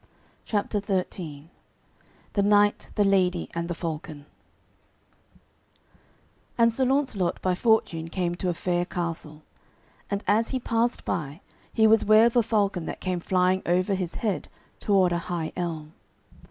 CHAPTER XIII THE KNIGHT, THE LADY, AND THE FALCON And Sir Launcelot by fortune came to a fair castle, and as he passed by he was ware of a falcon that came flying over his head toward a high elm.